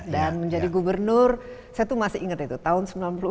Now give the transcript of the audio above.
dan menjadi gubernur saya tuh masih ingat itu tahun seribu sembilan ratus sembilan puluh delapan